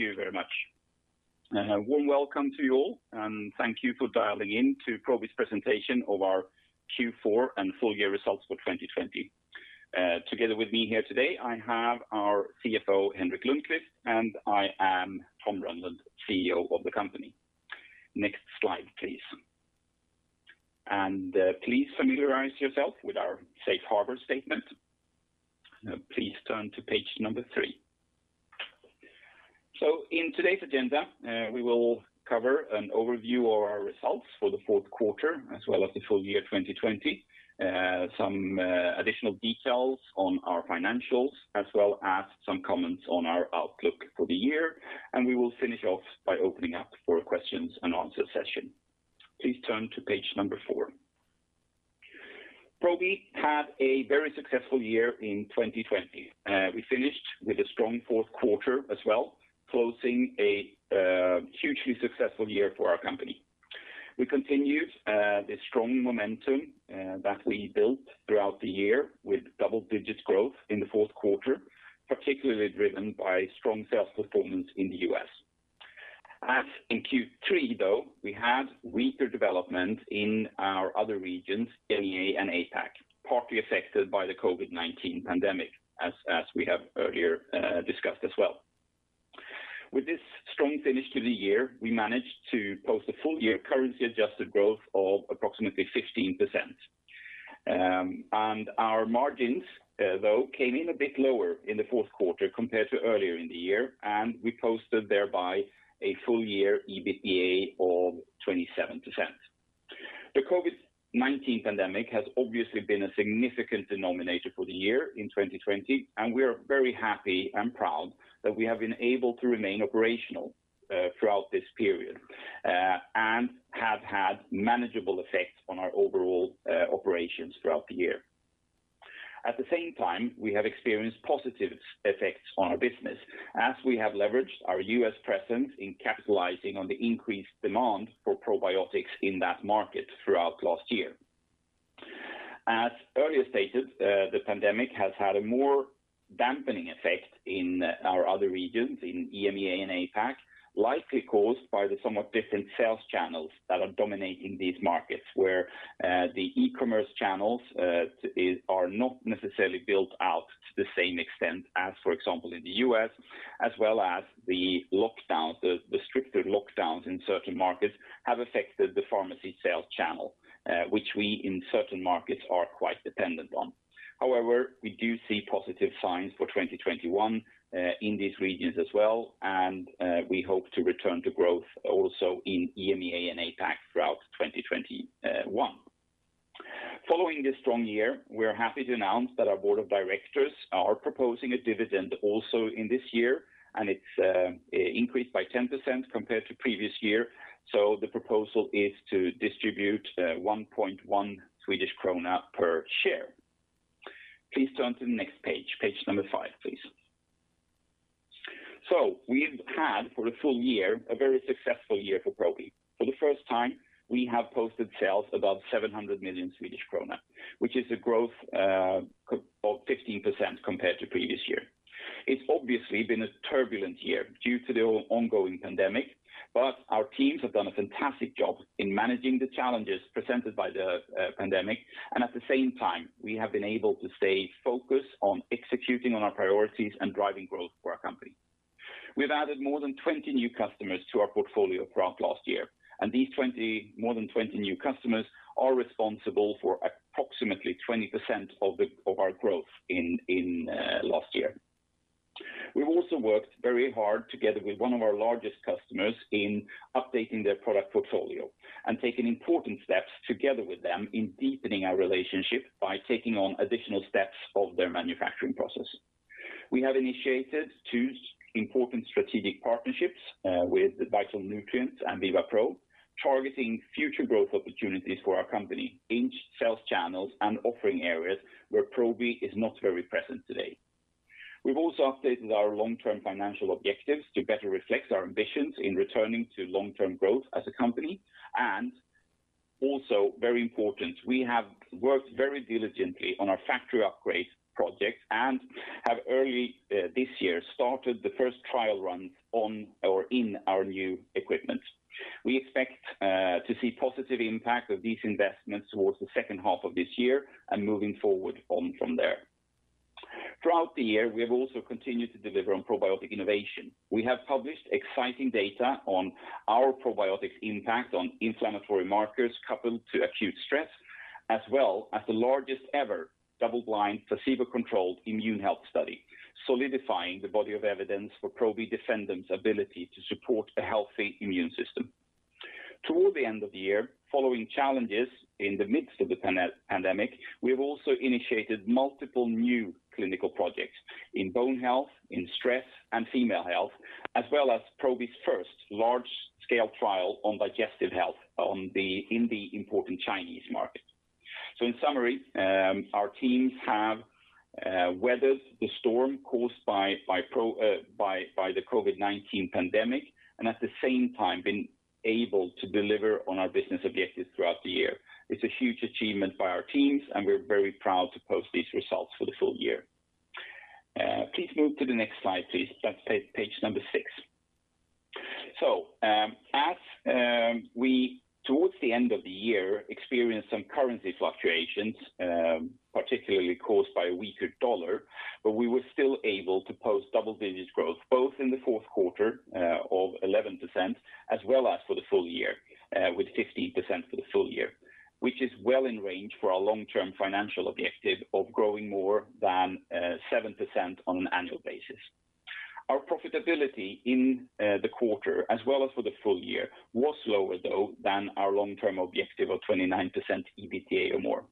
Thank you very much. A warm welcome to you all, and thank you for dialing in to Probi's presentation of our Q4 and full-year results for 2020. Together with me here today, I have our CFO, Henrik Lundkvist, and I am Tom Rönnlund, CEO of the company. Next slide, please. Please familiarize yourself with our safe harbor statement. Please turn to page number three. In today's agenda, we will cover an overview of our results for the fourth quarter as well as the full-year 2020, some additional details on our financials, as well as some comments on our outlook for the year. We will finish off by opening up for a questions and answer session. Please turn to page number four. Probi had a very successful year in 2020. We finished with a strong fourth quarter as well, closing a hugely successful year for our company. We continued the strong momentum that we built throughout the year with double digits growth in the fourth quarter, particularly driven by strong sales performance in the U.S. As in Q3, though, we had weaker development in our other regions, EMEA and APAC, partly affected by the COVID-19 pandemic, as we have earlier discussed as well. With this strong finish to the year, we managed to post a full-year currency adjusted growth of approximately 15%. Our margins, though, came in a bit lower in the fourth quarter compared to earlier in the year, and we posted thereby a full-year EBITDA of 27%. The COVID-19 pandemic has obviously been a significant denominator for the year in 2020, and we are very happy and proud that we have been able to remain operational throughout this period and have had manageable effects on our overall operations throughout the year. At the same time, we have experienced positive effects on our business as we have leveraged our U.S. presence in capitalizing on the increased demand for probiotics in that market throughout last year. As earlier stated, the pandemic has had a more dampening effect in our other regions, in EMEA and APAC, likely caused by the somewhat different sales channels that are dominating these markets, where the e-commerce channels are not necessarily built out to the same extent as, for example, in the U.S., as well as the stricter lockdowns in certain markets have affected the pharmacy sales channel, which we in certain markets are quite dependent on. However, we do see positive signs for 2021 in these regions as well, and we hope to return to growth also in EMEA and APAC throughout 2021. Following this strong year, we are happy to announce that our board of directors are proposing a dividend also in this year, and it's increased by 10% compared to previous year. The proposal is to distribute 1.1 Swedish krona per share. Please turn to the next page. Page number five, please. We’ve had for the full-year, a very successful year for Probi. For the first time, we have posted sales above 700 million Swedish krona, which is a growth of 15% compared to previous year. It’s obviously been a turbulent year due to the ongoing pandemic, but our teams have done a fantastic job in managing the challenges presented by the pandemic. At the same time, we have been able to stay focused on executing on our priorities and driving growth for our company. We’ve added more than 20 new customers to our portfolio throughout last year, and these more than 20 new customers are responsible for approximately 20% of our growth in last year. We've also worked very hard together with one of our largest customers in updating their product portfolio and taken important steps together with them in deepening our relationship by taking on additional steps of their manufacturing process. We have initiated two important strategic partnerships with Vital Nutrients and VivaPro, targeting future growth opportunities for our company in sales channels and offering areas where Probi is not very present today. Also, very important, we have worked very diligently on our factory upgrade project and have early this year started the first trial run in our new equipment. We expect to see positive impact of these investments towards the second half of this year and moving forward on from there. Throughout the year, we have also continued to deliver on probiotic innovation. We have published exciting data on our probiotics impact on inflammatory markers coupled to acute stress, as well as the largest ever double-blind, placebo-controlled immune health study, solidifying the body of evidence for Probi Defendum's ability to support a healthy immune system. Toward the end of the year, following challenges in the midst of the pandemic, we have also initiated multiple new clinical projects in bone health, in stress, and female health, as well as Probi's first large scale trial on digestive health in the important Chinese market. In summary, our teams have weathered the storm caused by the COVID-19 pandemic and at the same time been able to deliver on our business objectives throughout the year. It's a huge achievement by our teams, and we're very proud to post these results for the full-year. Please move to the next slide, please. That's page number six. Towards the end of the year, we experienced some currency fluctuations, particularly caused by a weaker U.S. dollar, but we were still able to post double-digit growth, both in the fourth quarter of 11%, as well as for the full-year, with 15% for the full-year. Which is well in range for our long-term financial objective of growing more than 7% on an annual basis. Our profitability in the quarter, as well as for the full-year, was lower though than our long-term objective of 29% EBITDA or more.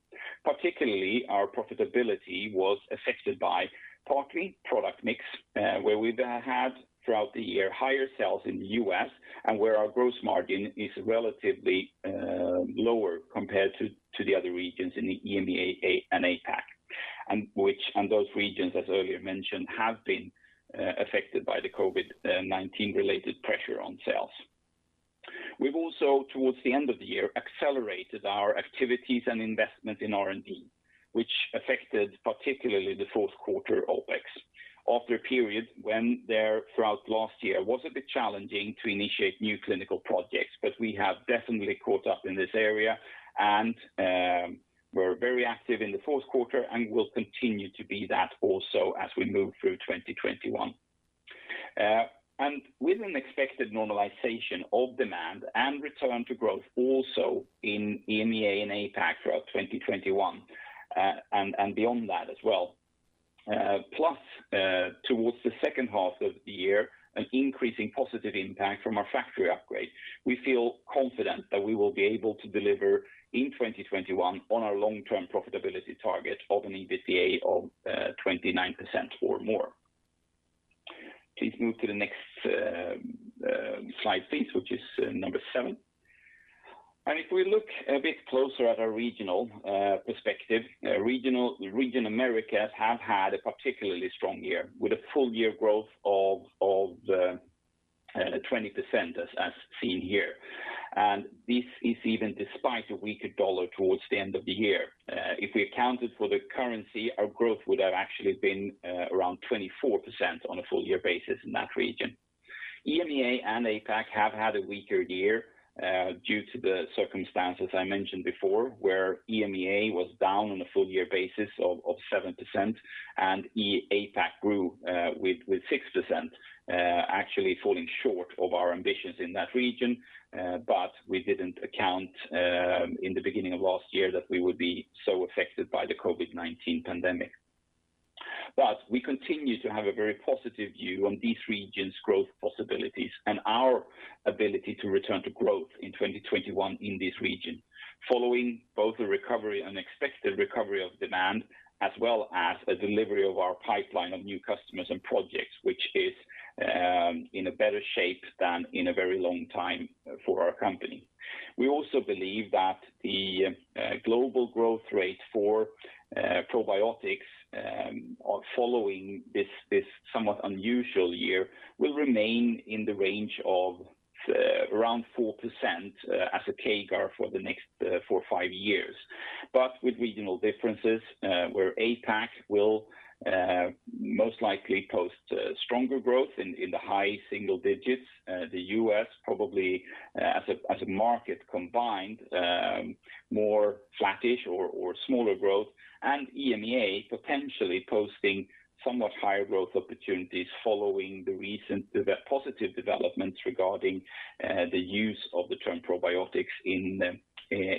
Particularly, our profitability was affected by partly product mix, where we've had, throughout the year, higher sales in the U.S. and where our gross margin is relatively lower compared to the other regions in the EMEA and APAC. Those regions, as earlier mentioned, have been affected by the COVID-19 related pressure on sales. We've also, towards the end of the year, accelerated our activities and investment in R&D, which affected particularly the fourth quarter OpEx. After a period when there, throughout last year, was a bit challenging to initiate new clinical projects, but we have definitely caught up in this area and we're very active in the fourth quarter and will continue to be that also as we move through 2021. With an expected normalization of demand and return to growth also in EMEA and APAC throughout 2021, and beyond that as well. Plus, towards the second half of the year, an increasing positive impact from our factory upgrade. We feel confident that we will be able to deliver in 2021 on our long-term profitability target of an EBITDA of 29% or more. Please move to the next slide, please, which is number seven. If we look a bit closer at our regional perspective, region Americas have had a particularly strong year, with a full-year growth of 20%, as seen here. This is even despite a weaker USD towards the end of the year. If we accounted for the currency, our growth would have actually been around 24% on a full-year basis in that region. EMEA and APAC have had a weaker year due to the circumstances I mentioned before, where EMEA was down on a full-year basis of 7% and APAC grew with 6%, actually falling short of our ambitions in that region. We didn't account, in the beginning of last year, that we would be so affected by the COVID-19 pandemic. We continue to have a very positive view on these regions' growth possibilities and our ability to return to growth in 2021 in this region. Following both the recovery and expected recovery of demand, as well as a delivery of our pipeline of new customers and projects, which is in a better shape than in a very long time for our company. We also believe that the global growth rate for probiotics, following this somewhat unusual year, will remain in the range of around 4% as a CAGR for the next four or five years. With regional differences, where APAC will most likely post stronger growth in the high single digits. The U.S. probably, as a market combined, more flattish or smaller growth, and EMEA potentially posting somewhat higher growth opportunities following the recent positive developments regarding the use of the term probiotics in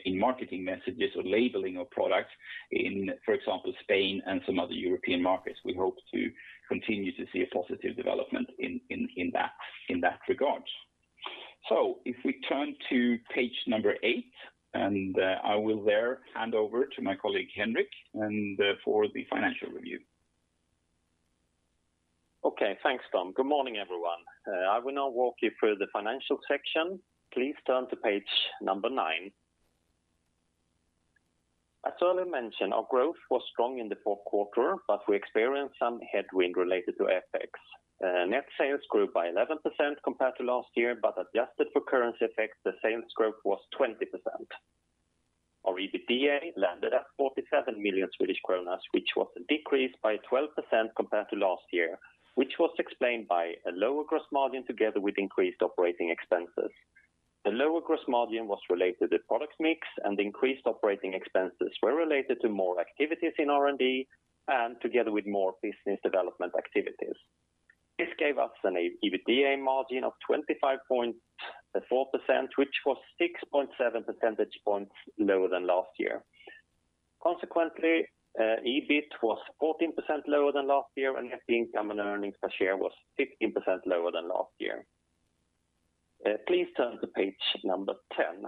marketing messages or labeling of products in, for example, Spain and some other European markets. We hope to continue to see a positive development in that regard. If we turn to page number eight, and I will there hand over to my colleague, Henrik, and for the financial review. Okay. Thanks, Tom. Good morning, everyone. I will now walk you through the financial section. Please turn to page number nine. As earlier mentioned, our growth was strong in the fourth quarter, but we experienced some headwind related to FX. Net sales grew by 11% compared to last year, but adjusted for currency effect, the sales growth was 20%. Our EBITDA landed at 47 million Swedish kronor, which was decreased by 12% compared to last year, which was explained by a lower gross margin together with increased operating expenses. The lower gross margin was related to product mix, and increased operating expenses were related to more activities in R&D and together with more business development activities. This gave us an EBITDA margin of 25.4%, which was 6.7 percentage points lower than last year. Consequently, EBIT was 14% lower than last year, and net income and earnings per share was 15% lower than last year. Please turn to page number 10.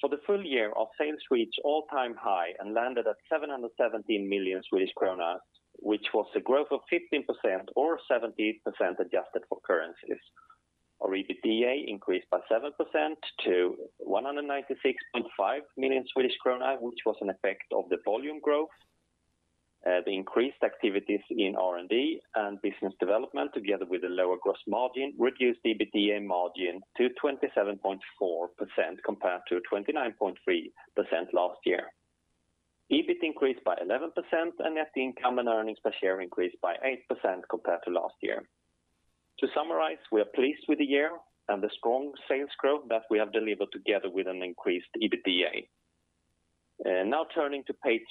For the full-year, our sales reached all-time high and landed at 717 million Swedish kronor, which was a growth of 15% or 17% adjusted for currencies. Our EBITDA increased by 7% to 196.5 million Swedish kronor, which was an effect of the volume growth. The increased activities in R&D and business development, together with a lower gross margin, reduced EBITDA margin to 27.4% compared to 29.3% last year. EBIT increased by 11%, and net income and earnings per share increased by 8% compared to last year. To summarize, we are pleased with the year and the strong sales growth that we have delivered together with an increased EBITDA. Now turning to page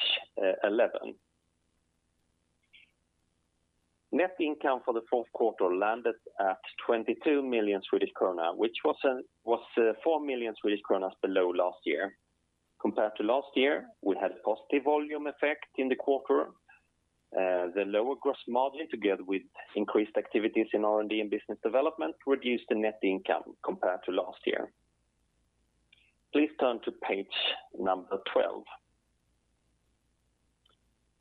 11. Net income for the fourth quarter landed at 22 million Swedish krona, which was 4 million Swedish kronor below last year. Compared to last year, we had a positive volume effect in the quarter. The lower gross margin, together with increased activities in R&D and business development, reduced the net income compared to last year. Please turn to page 12.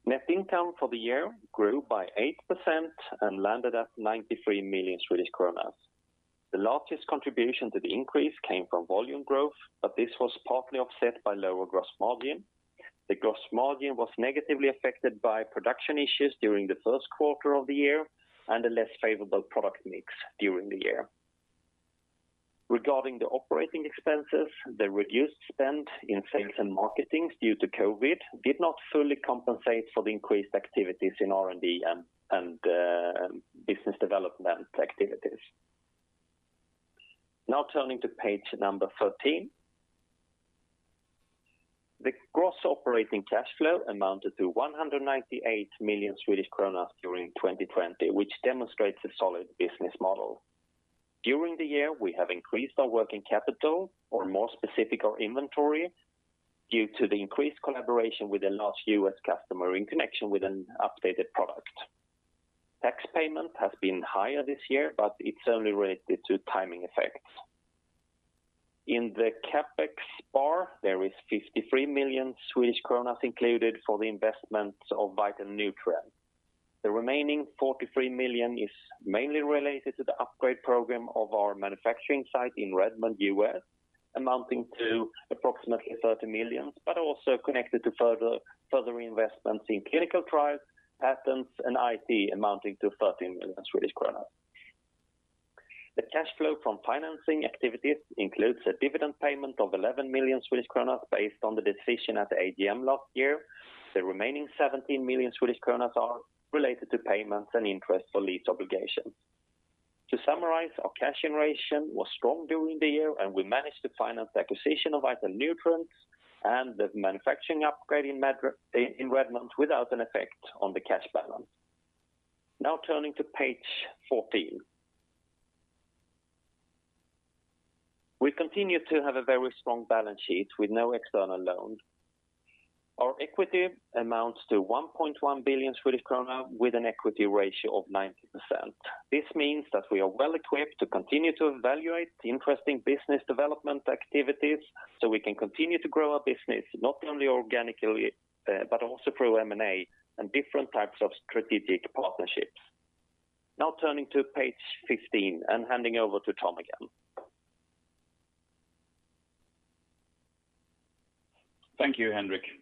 Net income for the year grew by 8% and landed at 93 million Swedish kronor. The largest contribution to the increase came from volume growth, but this was partly offset by lower gross margin. The gross margin was negatively affected by production issues during the first quarter of the year and a less favorable product mix during the year. Regarding the operating expenses, the reduced spend in sales and marketing due to COVID-19 did not fully compensate for the increased activities in R&D and business development activities. Now turning to page number 13. The gross operating cash flow amounted to 198 million Swedish kronor during 2020, which demonstrates a solid business model. During the year, we have increased our working capital or more specific, our inventory, due to the increased collaboration with a large U.S. customer in connection with an updated product. It's only related to timing effects. In the CapEx bar, there is 53 million Swedish kronor included for the investment of Vital Nutrients. The remaining 43 million is mainly related to the upgrade program of our manufacturing site in Redmond, U.S., amounting to approximately 30 million, also connected to further investments in clinical trials, patents, and IT amounting to 13 million Swedish kronor. The cash flow from financing activities includes a dividend payment of 11 million Swedish kronor based on the decision at the AGM last year. The remaining 17 million Swedish kronor are related to payments and interest on lease obligations. To summarize, our cash generation was strong during the year, and we managed to finance the acquisition of Vital Nutrients and the manufacturing upgrade in Redmond without an effect on the cash balance. Turning to page 14. We continue to have a very strong balance sheet with no external loan. Our equity amounts to 1.1 billion Swedish krona with an equity ratio of 90%. This means that we are well equipped to continue to evaluate interesting business development activities, so we can continue to grow our business, not only organically but also through M&A and different types of strategic partnerships. Now turning to page 15 and handing over to Tom again. Thank you, Henrik. Thank you.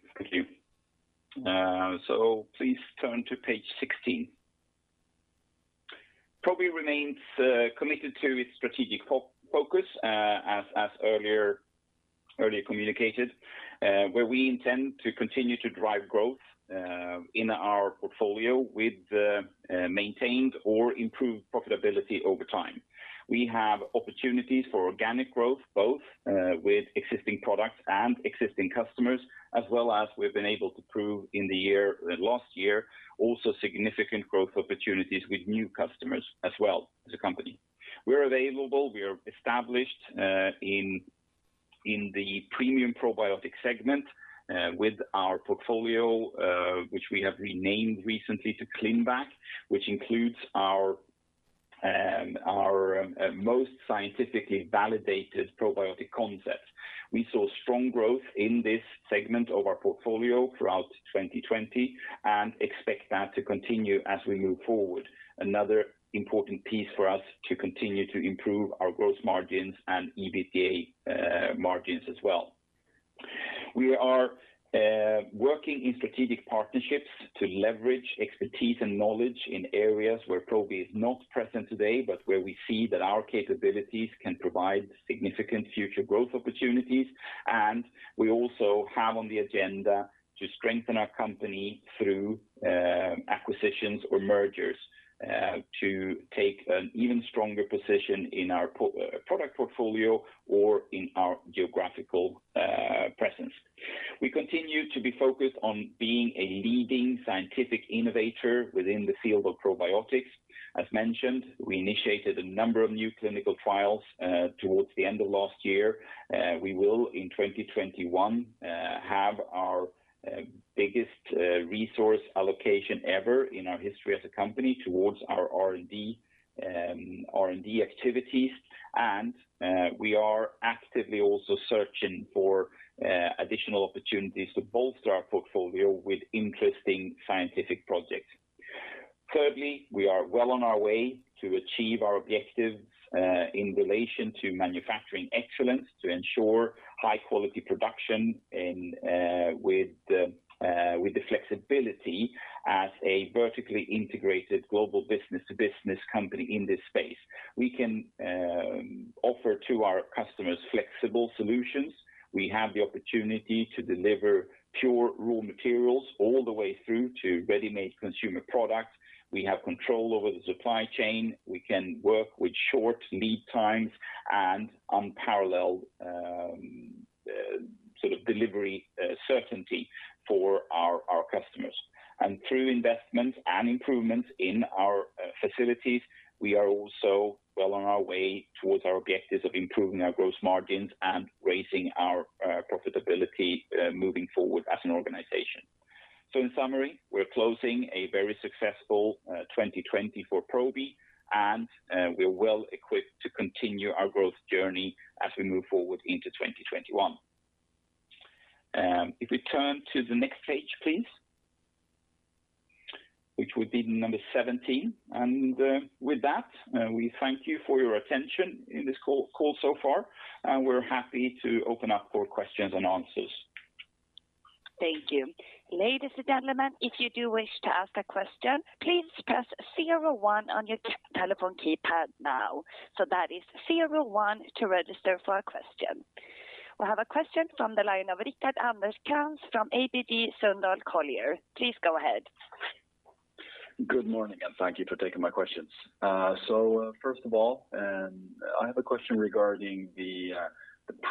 Please turn to page 16. Probi remains committed to its strategic focus, as earlier communicated, where we intend to continue to drive growth in our portfolio with maintained or improved profitability over time. We have opportunities for organic growth, both with existing products and existing customers, as well as we've been able to prove in the last year, also significant growth opportunities with new customers as well as a company. We are available. We are established in the premium probiotic segment with our portfolio, which we have renamed recently to ClinBac, which includes our most scientifically validated probiotic concepts. We saw strong growth in this segment of our portfolio throughout 2020 and expect that to continue as we move forward. Another important piece for us to continue to improve our gross margins and EBITDA margins as well. We are working in strategic partnerships to leverage expertise and knowledge in areas where Probi is not present today, but where we see that our capabilities can provide significant future growth opportunities. We also have on the agenda to strengthen our company through acquisitions or mergers to take an even stronger position in our product portfolio or in our geographical presence. We continue to be focused on being a leading scientific innovator within the field of probiotics. As mentioned, we initiated a number of new clinical trials towards the end of last year. We will, in 2021, have our biggest resource allocation ever in our history as a company towards our R&D activities. We are actively also searching for additional opportunities to bolster our portfolio with interesting scientific projects. Thirdly, we are well on our way to achieve our objectives in relation to manufacturing excellence to ensure high-quality production with the flexibility as a vertically integrated global business-to-business company in this space. We can offer to our customers flexible solutions. We have the opportunity to deliver pure raw materials all the way through to ready-made consumer products. We have control over the supply chain. We can work with short lead times and unparalleled delivery certainty for our customers. Through investments and improvements in our facilities, we are also well on our way towards our objectives of improving our gross margins and raising our profitability moving forward as an organization. In summary, we're closing a very successful 2020 for Probi, and we're well equipped to continue our growth journey as we move forward into 2021. If we turn to the next page, please, which would be number 17. With that, we thank you for your attention in this call so far, and we're happy to open up for questions-and-answers. Thank you. Ladies and gentlemen, if you do wish to ask a question, please press zero one on your telephone keypad now. That is zero one to register for a question. We have a question from the line of Rickard Anderkrans from ABG Sundal Collier. Please go ahead. Good morning, thank you for taking my questions. First of all, I have a question regarding the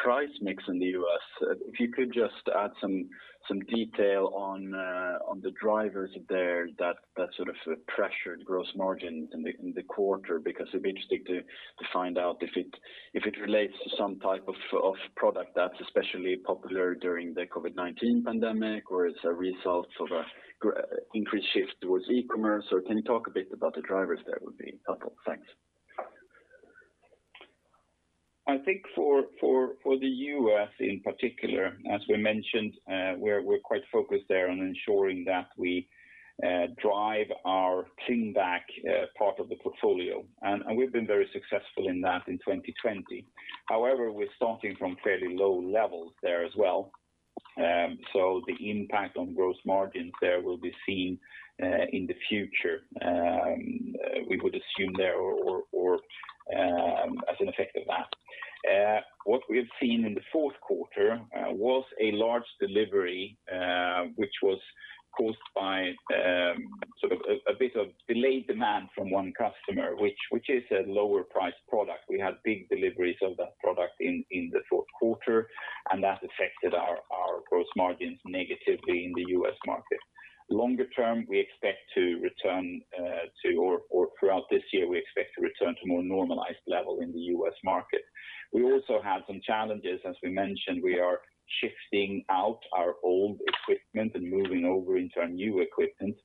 price mix in the U.S. If you could just add some detail on the drivers there that pressured gross margin in the quarter, because it'd be interesting to find out if it relates to some type of product that's especially popular during the COVID-19 pandemic, or it's a result of an increased shift towards e-commerce, or can you talk a bit about the drivers there would be helpful? Thanks. I think for the U.S. in particular, as we mentioned, we're quite focused there on ensuring that we drive our ClinBac part of the portfolio, and we've been very successful in that in 2020. We're starting from fairly low levels there as well. The impact on gross margins there will be seen in the future, we would assume there, or as an effect of that. What we've seen in the fourth quarter was a large delivery, which was caused by a bit of delayed demand from one customer, which is a lower priced product. We had big deliveries of that product in the fourth quarter, that affected our gross margins negatively in the U.S. market. Longer term, we expect to return to, or throughout this year, we expect to return to more normalized level in the U.S. market. We also had some challenges, as we mentioned, we are shifting out our old equipment and moving over into our new equipment.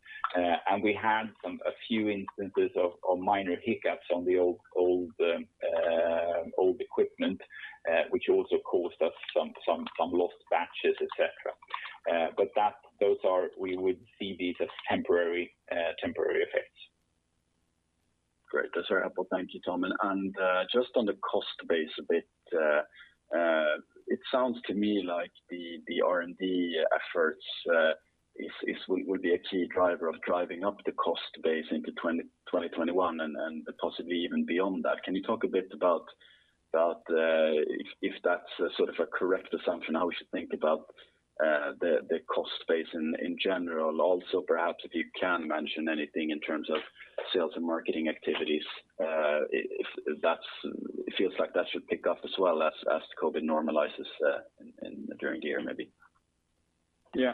We had a few instances of minor hiccups on the old equipment, which also caused us some lost batches, et cetera. We would see these as temporary effects. Great. Those are helpful. Thank you, Tom. Just on the cost base a bit, it sounds to me like the R&D efforts would be a key driver of driving up the cost base into 2021 and possibly even beyond that. Can you talk a bit about if that's a correct assumption, how we should think about the cost base in general? Also, perhaps if you can mention anything in terms of sales and marketing activities, it feels like that should pick up as well as COVID normalizes during the year, maybe. Yeah.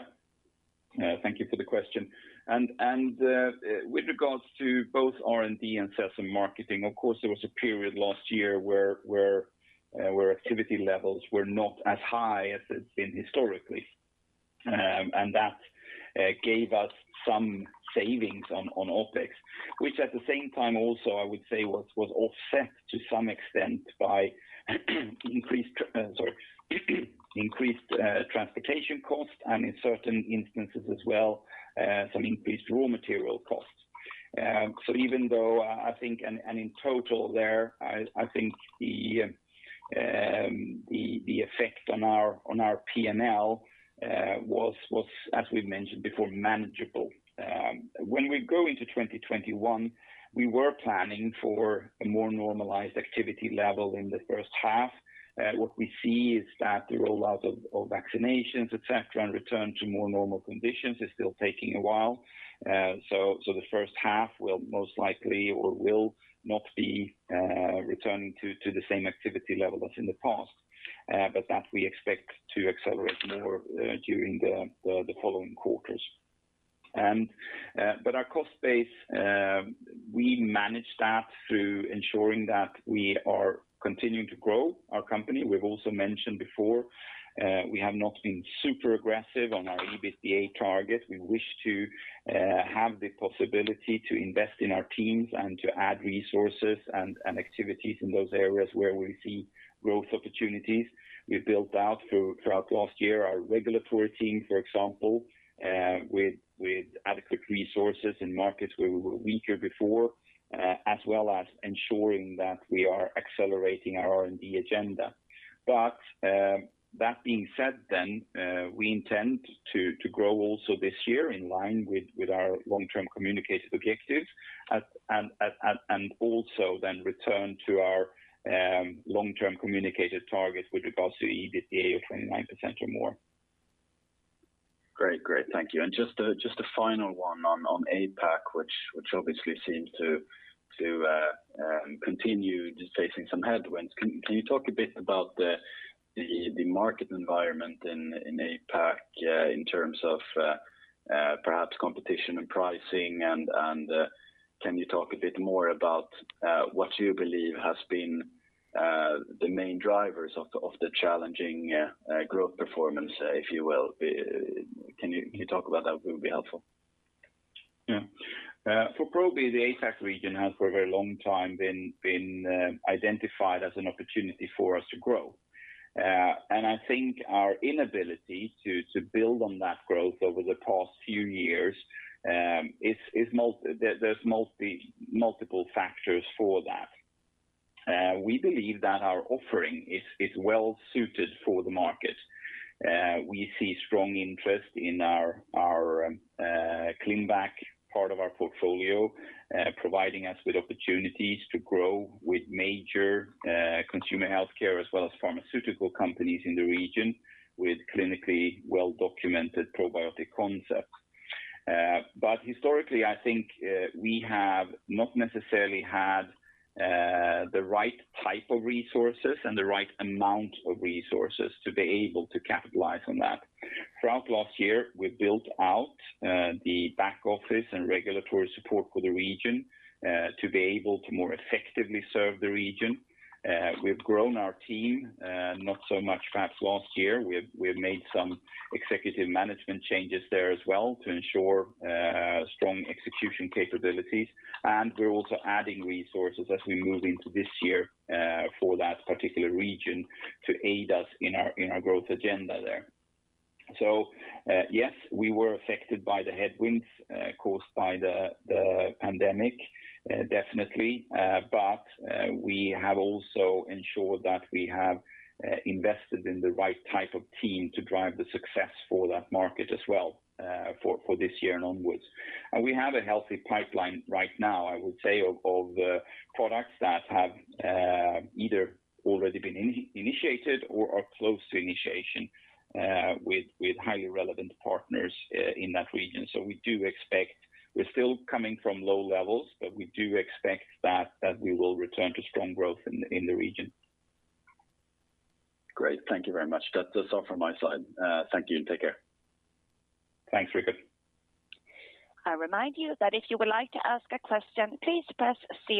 Thank you for the question. With regards to both R&D and sales and marketing, of course, there was a period last year where activity levels were not as high as it's been historically. That gave us some savings on OpEx, which at the same time also I would say was offset to some extent by increased transportation costs and in certain instances as well some increased raw material costs. Even though I think, and in total there, I think the effect on our P&L was, as we've mentioned before, manageable. When we go into 2021, we were planning for a more normalized activity level in the first half. What we see is that the rollout of vaccinations, et cetera, and return to more normal conditions is still taking a while. The first half will most likely or will not be returning to the same activity level as in the past. That we expect to accelerate more during the following quarters. Our cost base we manage that through ensuring that we are continuing to grow our company. We've also mentioned before we have not been super aggressive on our EBITDA target. We wish to have the possibility to invest in our teams and to add resources and activities in those areas where we see growth opportunities. We built out throughout last year our regulatory team, for example with adequate resources in markets where we were weaker before as well as ensuring that we are accelerating our R&D agenda. That being said, we intend to grow also this year in line with our long-term communicated objectives and also then return to our long-term communicated targets with regards to EBITDA of 29% or more. Great. Thank you. Just a final one on APAC, which obviously seems to continue just facing some headwinds. Can you talk a bit about the market environment in APAC in terms of perhaps competition and pricing? Can you talk a bit more about what you believe has been the main drivers of the challenging growth performance, if you will? Can you talk about that, will be helpful. Yeah. For Probi, the APAC region has for a very long time been identified as an opportunity for us to grow. I think our inability to build on that growth over the past few years, there's multiple factors for that. We believe that our offering is well suited for the market. We see strong interest in our ClinBac part of our portfolio, providing us with opportunities to grow with major consumer healthcare, as well as pharmaceutical companies in the region with clinically well-documented probiotic concepts. Historically, I think we have not necessarily had the right type of resources and the right amount of resources to be able to capitalize on that. Throughout last year, we built out the back office and regulatory support for the region to be able to more effectively serve the region. We've grown our team, not so much perhaps last year. We have made some executive management changes there as well to ensure strong execution capabilities. We're also adding resources as we move into this year for that particular region to aid us in our growth agenda there. Yes, we were affected by the headwinds caused by the pandemic, definitely. We have also ensured that we have invested in the right type of team to drive the success for that market as well for this year and onwards. We have a healthy pipeline right now, I would say, of products that have either already been initiated or are close to initiation with highly relevant partners in that region. We're still coming from low levels, but we do expect that we will return to strong growth in the region. Great. Thank you very much. That's all from my side. Thank you and take care. Thanks, Rickard. I have a question from the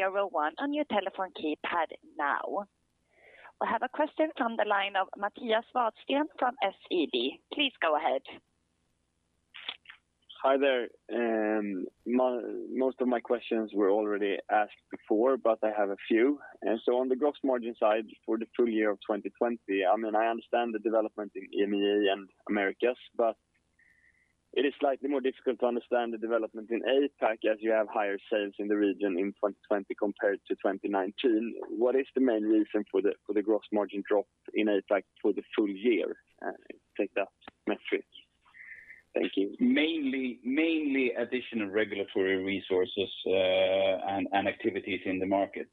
line of Mattias Vadsten from SEB. Please go ahead. Hi there. Most of my questions were already asked before, but I have a few. On the gross margin side for the full-year of 2020, I understand the development in EMEA and Americas, but it is slightly more difficult to understand the development in APAC as you have higher sales in the region in 2020 compared to 2019. What is the main reason for the gross margin drop in APAC for the full-year? Take that metric. Thank you. Mainly additional regulatory resources and activities in the market.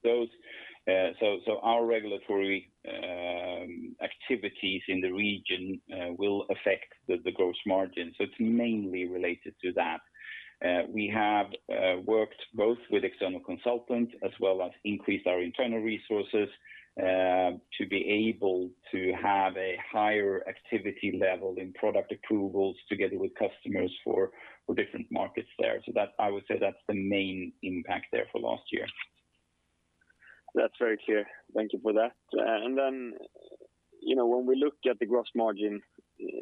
Our regulatory activities in the region will affect the gross margin. It's mainly related to that. We have worked both with external consultants as well as increased our internal resources to be able to have a higher activity level in product approvals together with customers for different markets there. I would say that's the main impact there for last year. That's very clear. Thank you for that. When we look at the gross margin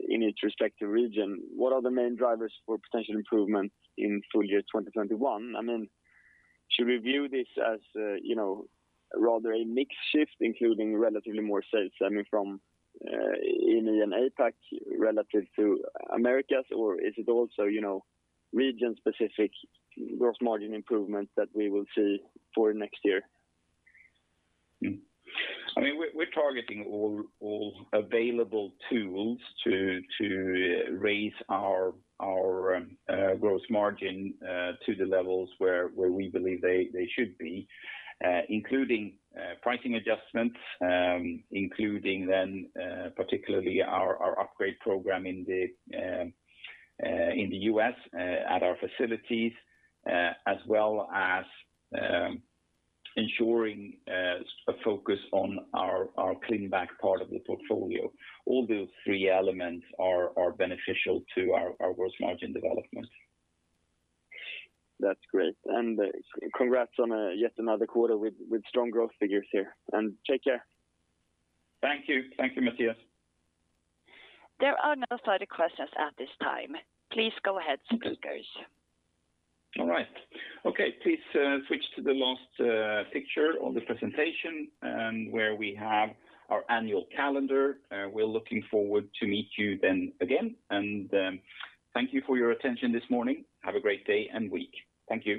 in each respective region, what are the main drivers for potential improvement in full-year 2021? Should we view this as rather a mix shift, including relatively more sales, from EMEA and APAC relative to Americas? Is it also region-specific gross margin improvement that we will see for next year? We're targeting all available tools to raise our gross margin to the levels where we believe they should be, including pricing adjustments, including then particularly our upgrade program in the U.S. at our facilities, as well as ensuring a focus on our ClinBac part of the portfolio. All those three elements are beneficial to our gross margin development. That's great. Congrats on yet another quarter with strong growth figures here. Take care. Thank you. Thank you, Mattias. There are no further questions at this time. Please go ahead, speakers. All right. Okay, please switch to the last picture of the presentation where we have our annual calendar. We're looking forward to meet you then again, and thank you for your attention this morning. Have a great day and week. Thank you.